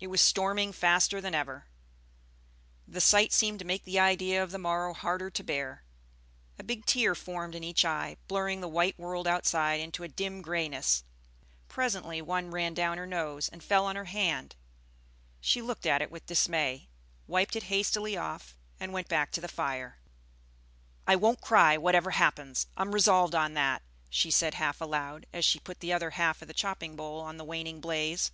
It was storming faster than ever. The sight seemed to make the idea of the morrow harder to bear; a big tear formed in each eye, blurring the white world outside into a dim grayness. Presently one ran down her nose and fell on her hand. She looked at it with dismay, wiped it hastily off, and went back to the fire. "I won't cry, whatever happens, I'm resolved on that," she said half aloud, as she put the other half of the chopping bowl on the waning blaze.